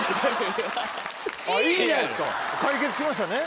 いいじゃないですか解決しましたね。